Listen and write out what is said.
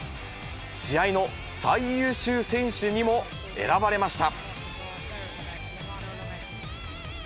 試合の最優秀選手にも選ばれました。